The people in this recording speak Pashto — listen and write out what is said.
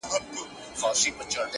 o کبرجن د خداى دښمن دئ.